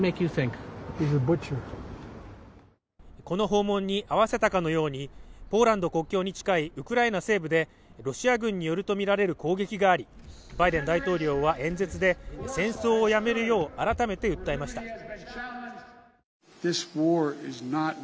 この訪問に合わせたかのようにポーランド国境に近いウクライナ西部でロシア軍によるとみられる攻撃があり、バイデン大統領は演説で戦争をやめるよう改めて訴えました。